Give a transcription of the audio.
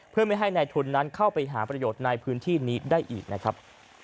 เพื่อไม่ให้นายทุนนั้นเข้าไปหาประโยชน์ในพื้นที่นี้ได้อีกนะครับ